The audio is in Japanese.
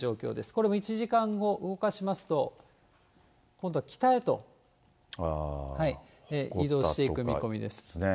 これも１時間後、動かしますと、今度は北へと移動していく見込みです。